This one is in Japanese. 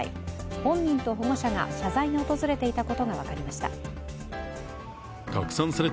本人と保護者が謝罪に訪れていたことが分かりました。